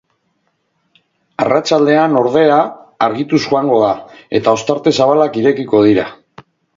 Arratsaldean, ordea, argituz joango da, eta ostarte zabalak irekiko dira.